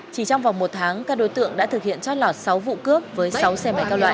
chỉ trong vòng một tháng các đối tượng đã thực hiện trót lọt sáu vụ cướp với sáu xe máy cao loại